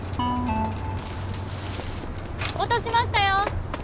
落としましたよ！